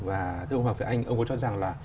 và thưa ông hoàng phi anh ông có cho rằng là